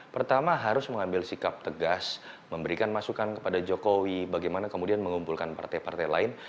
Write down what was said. pertama harus mengambil sikap tegas memberikan masukan kepada jokowi bagaimana kemudian mengumpulkan partai partai lain